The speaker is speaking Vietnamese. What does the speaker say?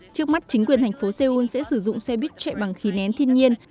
trước mắt chính quyền thành phố seoul sẽ sử dụng xe buýt chạy bằng khí nén thiên nhiên